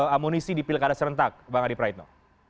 amunisi di pilkada serentak bang adi praitno